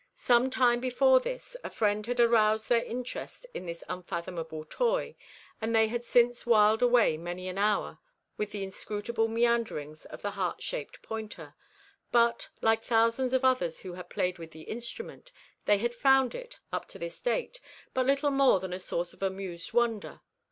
Some time before this a friend had aroused their interest in this unfathomable toy, and they had since whiled away many an hour with the inscrutable meanderings of the heart shaped pointer; but, like thousands of others who had played with the instrument, they had found it, up to this date, but little more than a source of amused wonder.